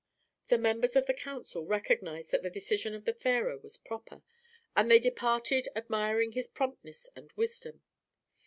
The members of the council recognized that the decision of the pharaoh was proper, and they departed admiring his promptness and wisdom.